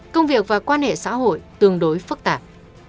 công việc và quan hệ xã hội tương đối phức tạp